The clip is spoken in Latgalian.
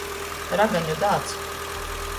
Ragaņu dāds.